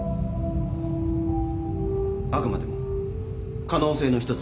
あくまでも可能性の一つです。